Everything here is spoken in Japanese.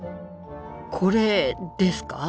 これですか？